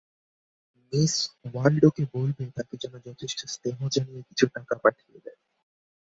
Miss ওয়াল্ডোকে বলবে, তাকে যেন যথেষ্ট স্নেহ জানিয়ে কিছু টাকা পাঠিয়ে দেন।